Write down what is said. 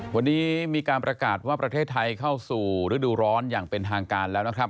วันนี้มีการประกาศว่าประเทศไทยเข้าสู่ฤดูร้อนอย่างเป็นทางการแล้วนะครับ